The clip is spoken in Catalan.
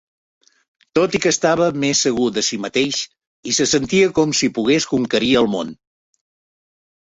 Tot i que estava més segur de si mateix i se sentia com si pogués conquerir el món.